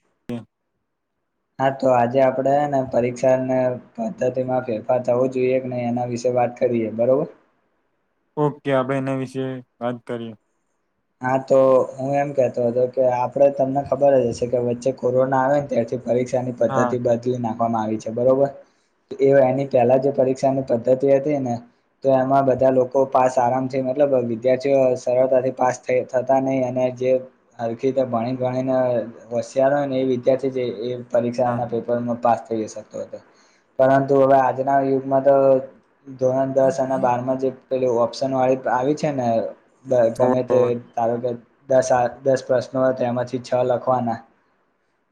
[inaudible] હા તો આજે આપડેને પરીક્ષા ને પદ્ધતિમાં ફેરફાર થવો જોઈએ કે ને એના વિશેે વાત કરીએ બરોબર. [inaudible] કે આપણેે એના વિશેે વાત કરીએ. હા તો હું એમ કેતો હતો કે આપડ તમને ખબર જ હશે કે વચ્ચે કોરોના આવે ને ત્યારથી પરીક્ષા ની હા પદ્ધતિ બદલી નાખવામાં આવી છે બરોબર. એ એની પેલા જે પરીક્ષાની પદ્ધતિ હતી ને તો એમાં બધા લોકો પાસ આરામ છે મતલબ વિદ્યાર્થીઓ સરળતાથી પાસ થ થતાં નહીં અને જે હલકી તો ભણીને ગણીને વશિયારો હોય ને એ વિદ્યાર્થી જે એ પરીક્ષા હા ના પેપરમાં પાસ થઈ શકતો હતો પરંતુ હવે આજના યુગમાં તો ધોરણ દસ અને બારમાં જે પેલી ઓપ્શન વાળી આવી છે ને ગમે ઓ, તે ધારો કે દસ દસ પ્રશ્નો તે એમાંથી છ લખવાના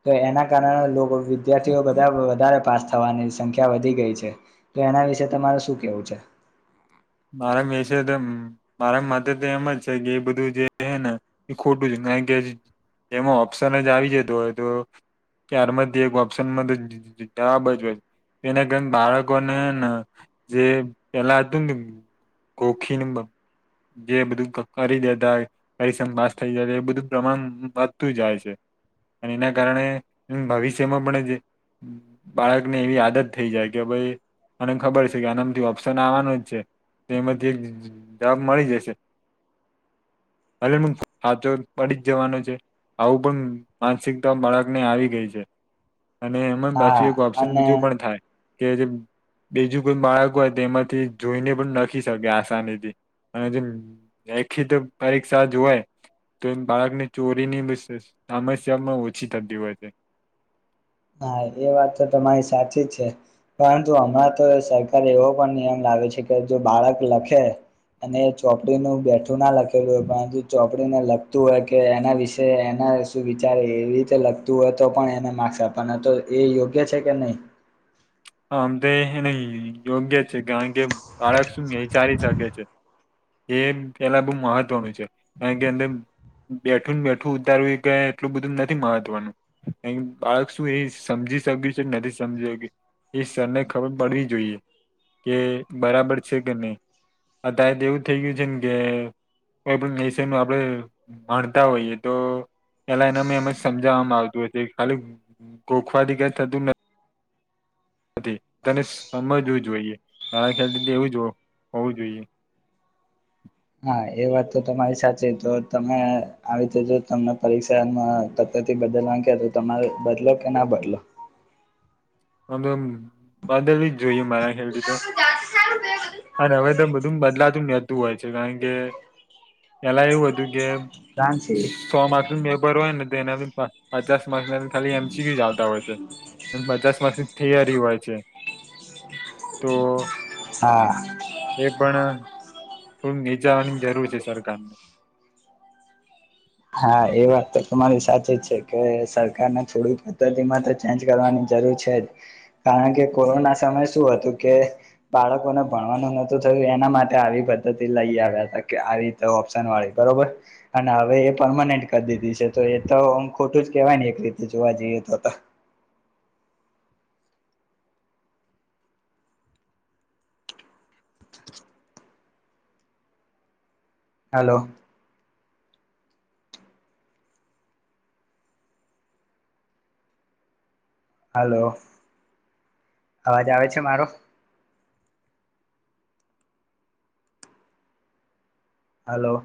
તો એના કારણે વિદ્યાર્થીઓ બધા વધારે પાસ થવાની સંખ્યા વધી ગઈ છે તો એના વિશે તમારે શું કેવું છે મારા મા એ છે તો મારા મતે તો એમ જ છે કે એ બધું જે છે ને એ ખોટું જ ના કે જેમાં ઓપ્શન જ આવી જતુ હોય તો ત્યારમાં એક ઓપ્શન તો જવાબ જ હોય તેના કારણે બાળકોને જે પેલા હતું ને કોખી ન જે બધું કરી દેતા પરિશ્રમ પાસ થઈ જતા એ બધું પ્રમાણ વધતું જાય છે અને એના કારણે ભવિષ્યમાં પણ જે બાળકને એવી આદત થઈ જાય કે ભાઈ અને ખબર છે કે આનામથી ઓપ્શન આવવાનું જ છે તેમાંથી જ જ જોબ મળી જશે અરે હા તો પડી જ જવાનો છે આવું પણ માનસિકતા બાળકને આવી ગઈ છે અને એમાં પાછુ હા એક ઓપ્શન અને બીજું પણ થાય કે જે બીજું કોઈ બાળક હોય તે એમાંથી જોઈને પણ લખી શકે આસાની થી અને લેખિત પરીક્ષા જો હૉય તો એમ બાળકની ચોરીની બી સમસ્યા આમાં ઓછી થતી હોય છે હા એ વાત તો તમારી સાચી જ છે પરંતુ અમારા તો સરકારે એવો પણ નિયમ લાવ લાવે છે કે જો બાળક લખે અને ચોપડીનું બેઠું ના લખેલું હોય પરંતુ ચોપડીને લખતું હોય કે એના વિશે એના એના વિશે વિચારે એ રીતે લખતું હોય તો પણ એને માર્ક્સ આપ પણ આ તો એ યોગ્ય છે કે નહી હ આમ તો એને યોગ્ય છે કારણ કે બાળક શું વિચારી શકે છે એ પેલા બહુ મહત્વનું છે કારણ કે એમને બેઠું ને બેઠું ઉતારવુ એ કંઈ એટલું બધું નથી મહત્વનું બાળક શું એ સમ સમજી સગકયું છે નથી સમજયું એ સરને ખબર પડવી જોઈએ કે બરાબર છે કે નહીં અ ત્યારે તો એવું થઇ ગયું છે ન કે કોઈ પણ વિષય માં આપણે ભણતા હોઈએ તો પેલા એના મે એમજ સમજાવવામાં આવતું [unintelligible] ખાલી ગોખવાથી કઈ થતું નથ [unintelligible] તેને સમજવું જોઈએ, [unintelligible] હોવું જોઈએ. [inaudible] હા એ વાત તો તમારી સાચી, તો તમે આવી રીતે જો તમે પરીક્ષામાં [unintelligible] અહીં થી બદલવા નું કહે તો તમારો બદલો કે ના બદલો? [unintelligible] તો બદલવી જ જોઈએ મારા ખયાલ થી તો. અન હવે તો બધું બદલાતું રહેતું હોય છે કારણ કે પેલા એવું હતું કે સો માર્ક નું મે ભરવાનું અને હવે પચાસ માર્સ ખાલી એમસી ક્યૂઝ જ આવતા હોય છે પચાસ માર્ક થિયરી હોય છે તો હા એ પણ થોડું નીચાવાની જરૂર છે સરકારને [inaudible] હા એ વાત તો તમારી સાચી જ છે કે સરકારને થોડી પદ્ધતિમાં તો ચેન્જ કરવાની એ છે જ કારન કે કોરોના સમય શું હતું કે બાળકોને ભણવાનું નતું થતું એમ માટે આવી પદ્ધતિ લઈ આવ્યા હતા કે આવી તો ઓપ્શન વાળી બરોબર અને હવે પરમાનેન્ટ કરી દીધી છે તો એ તોહ ખોટું જ કેવાય ને એક રીતે જોવા જઈએ તો તો [inaudible] હલો હલો અવાજ આવે છે મારો હલો.